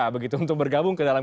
begitu untuk bergabung ke dalam